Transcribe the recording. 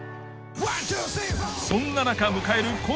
そんな中迎える今